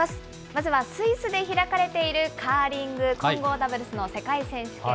まずはスイスで開かれているカーリング混合ダブルスの世界選手権